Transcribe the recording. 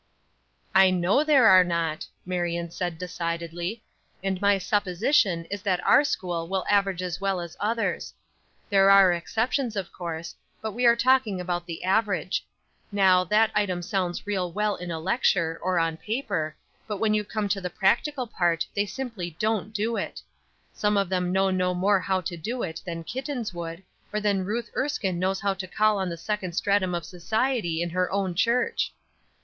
"I know there are not," Marion said, decidedly. "And my supposition is that our school will average as well as others. There are exceptions, of course, but we are talking about the average. Now, that item sounds real well in a lecture, or on paper, but when you come to the practical part they simply don't do it. Some of them know no more how to do it than kittens would, or than Ruth Erskine knows how to call on the second stratum of society in her own church."